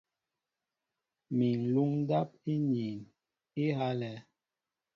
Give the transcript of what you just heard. Mi ŋ̀luŋ ndáp íniin á ihálɛ̄.